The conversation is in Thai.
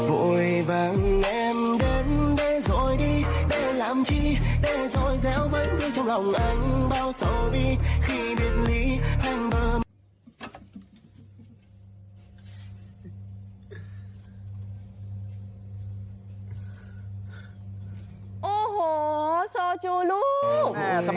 โอ้โหโซจูลูก